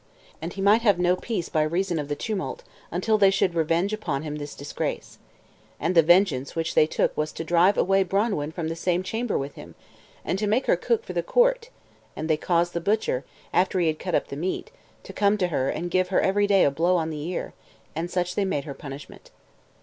And he might have no peace by reason of the tumult, until they should revenge upon him this disgrace. And the vengeance which they took was to drive away Branwen from the same chamber with him, and to make her cook for the court; and they caused the butcher, after he had cut up the meat, to come to her and give her every day a blow on the ear; and such they made her punishment.